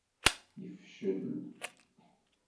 Yefcel.